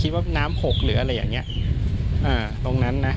ว่าน้ำหกหรืออะไรอย่างเงี้ยอ่าตรงนั้นนะ